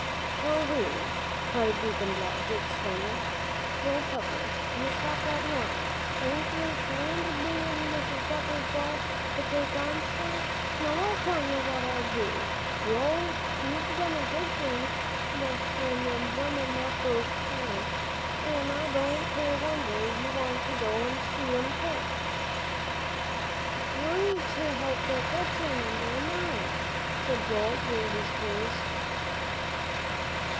"See here," cried Deacon Blodgett, sternly, "Joe Pepper, you stop that noise! Ain't you 'shamed, bein' Mrs. Pepper's boy, to take on so? Now I'll tell you what I'll do. You've done a good thing a drummin' up those scamps, an' I don't wonder you want to go an' see 'em ketched." "I want to help catch 'em, and they're mine," said Joel, through his tears.